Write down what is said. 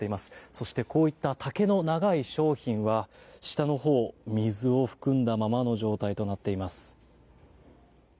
そしてこういった丈の長い商品は下のほう、水を含んだままの状態となっています。